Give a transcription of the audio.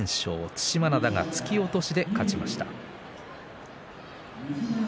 對馬洋が突き落としで勝ちました。